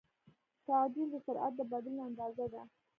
تعجیل د سرعت د بدلون اندازه ده.